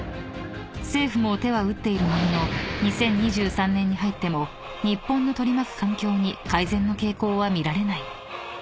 ［政府も手は打っているものの２０２３年に入っても日本の取り巻く環境に改善の傾向は見られない］